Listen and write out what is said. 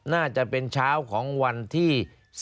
น่าจะเป็นเช้าของวันที่๓